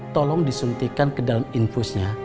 tolong disuntikan ke dalam infusnya